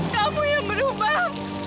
kamu yang berubah